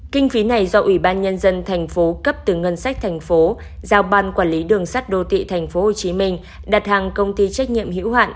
kinh phí này do ủy ban nhân dân tp cấp từ ngân sách tp giao ban quản lý đường sắt đô thị tp hcm đặt hàng công ty trách nhiệm hữu hạn